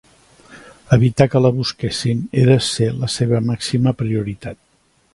Evitar que la busquessin era ser la seva màxima prioritat.